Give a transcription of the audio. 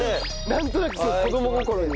なんとなく子供心に。